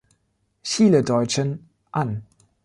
Chile-Deutschen, an.